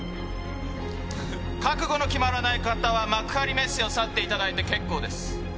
覚悟の決まらない方は幕張メッセを去っていただいて結構です。